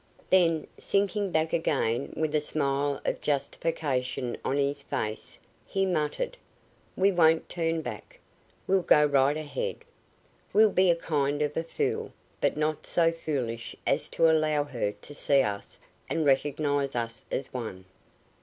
Then, sinking back again with a smile of justification on his face, he muttered: "We won't turn back; we'll go right ahead. We'll be a kind of a fool, but not so foolish as to allow her to see us and recognize us as one."